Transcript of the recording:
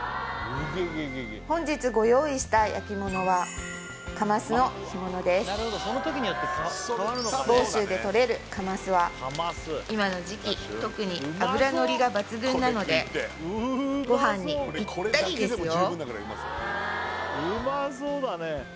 本日ご用意した焼き物は房州でとれるカマスは今の時期特に脂のりが抜群なのでご飯にぴったりですよ